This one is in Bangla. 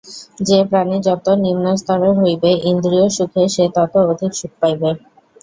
যে-প্রাণী যত নিম্নস্তরের হইবে, ইন্দ্রিয়সুখে সে তত অধিক সুখ পাইবে।